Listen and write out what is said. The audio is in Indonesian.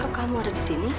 kok kamu ada disini